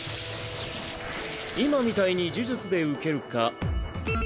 今みたいに呪術で受けるか。